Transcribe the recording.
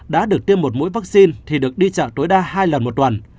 đã được tiêm một mũi vaccine thì được đi chặn tối đa hai lần một tuần